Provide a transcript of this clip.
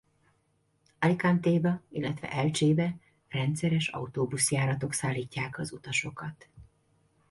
Alicantéba illetve Elchébe rendszeres autóbuszjáratok szállítják az utasokat.